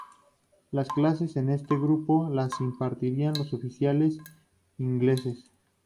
Las clases en este grupo las impartían los oficiales ingleses.